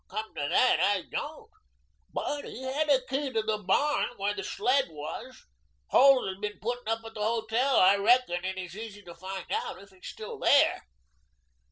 "Come to that, I don't. But he had a key to the barn where the sled was. Holt has been putting up at the hotel. I reckon it is easy to find out if he's still there."